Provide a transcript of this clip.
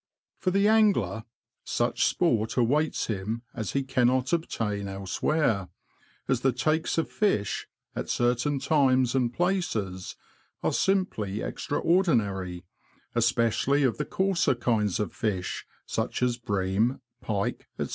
For the angler, such sport awaits him as he cannot obtain elsewhere, as the takes of fish, at certain times and places, are simply extraordinary, especially of the coarser kinds of fish, such as bream, pike, &c.